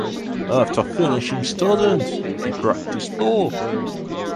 After finishing student he practised law.